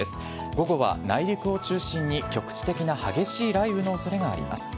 午後は内陸を中心に局地的な激しい雷雨のおそれがあります。